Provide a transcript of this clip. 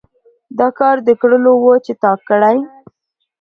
دا کار د کړلو وو چې تا کړى.